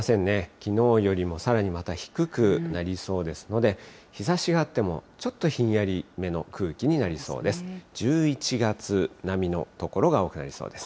きのうよりもさらにまた低くなりそうですので、日ざしがあってもちょっとひんやりめの空気になりそうです。